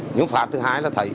những phát thứ hai là thấy